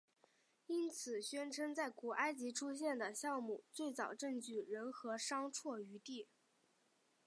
因此宣称在古埃及出现的酵母最早证据仍有商酌余地。